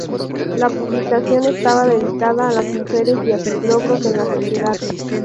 La publicación estaba dedicada a las mujeres y a sus logros en la sociedad.